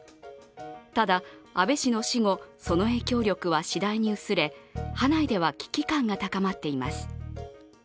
ただ、安倍氏の死後、その影響力は次第に薄れ派内では危機感が高まっています。